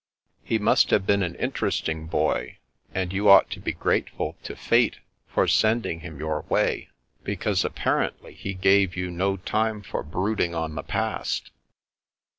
" He must have been an interesting boy, and you ought to be grateful to Fate for sending him your The Strange Mushroom , 331 way, because apparently he gave you no time for brooding on the past."